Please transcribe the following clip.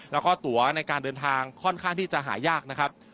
แล้วก็ตัวในการเดินทางค่อนข้างที่จะหายากนะครับ